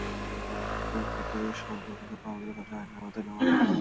অর্থ সরবরাহে প্রকৃতই সম্পৃক্ততা পাওয়া গেলে তাঁদের আইনের আওতায় নেওয়া হবে।